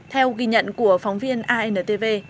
theo ghi nhận của phóng viên antv